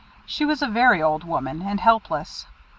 She was a very old woman, and helpless.